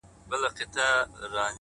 ستا غمونه ستا دردونه زما بدن خوري ـ